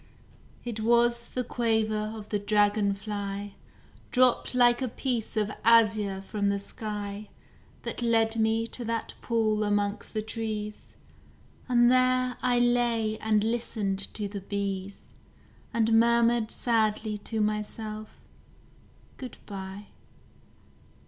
It was the quaver of the dragon fly, Dropped like a piece of azure from the sky, That led me to that pool amongst the trees And there I lay and listened to the bees, And murmured sadly to myself: "Good bye."